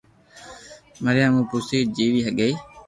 مريا مون پئسي جيوي گئي